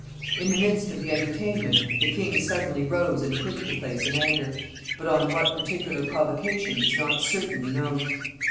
In the midst of the entertainment, the king suddenly rose and quitted the place in anger; but on what particular provocation is not certainly known.